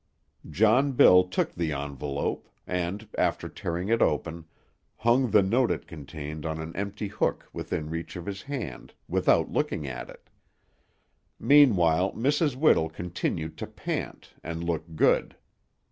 John Bill took the envelope, and, after tearing it open, hung the note it contained on an empty hook within reach of his hand, without looking at it. Meanwhile Mrs. Whittle continued to pant, and look good.